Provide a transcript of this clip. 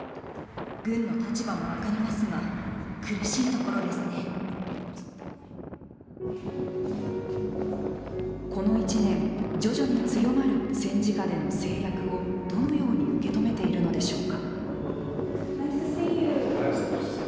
この１年、徐々に強まる戦時下での制約をどのように受け止めているのでしょうか。